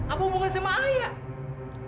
apa hubungan sama ayah